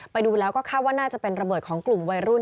ไปดูแล้วก็คาดว่าน่าจะเป็นระเบิดของกลุ่มวัยรุ่น